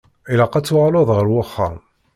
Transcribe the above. Ilaq ad tuɣaleḍ ar wexxam.